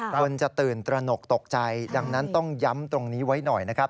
คนจะตื่นตระหนกตกใจดังนั้นต้องย้ำตรงนี้ไว้หน่อยนะครับ